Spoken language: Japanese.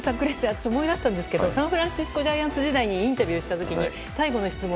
私、思い出したんですけどサンフランシスコ・ジャイアンツ時代にインタビューした時に最後の質問